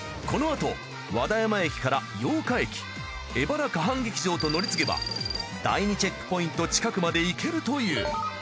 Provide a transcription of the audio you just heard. このあと和田山駅から八鹿駅江原河畔劇場と乗り継げば第２チェックポイント近くまで行けるという。